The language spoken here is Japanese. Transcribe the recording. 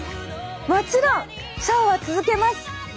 もちろんショーは続けます。